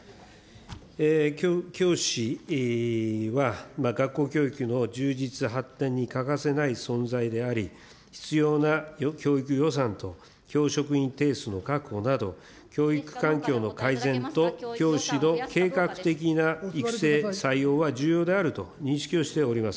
教師は学校教育の充実、発展に欠かせない存在であり、必要な教育予算と教職員定数の確保など、教育環境の改善と教師の計画的な育成、採用は重要であると認識をしております。